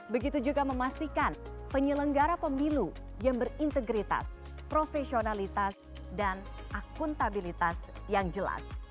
begitu juga memastikan penyelenggara pemilu yang berintegritas profesionalitas dan akuntabilitas yang jelas